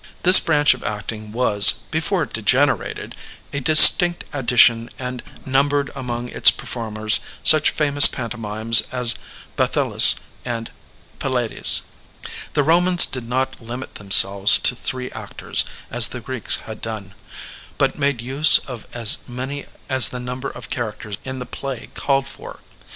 This branch of acting was, before it degenerated, a distinct addition and numbered among its perform ers such famous pantomimes as Bathyllus and Pylades. The Bomans did not limit themselves to three actors as the Greeks had done, but made use of as many as the number of characters in the play called for.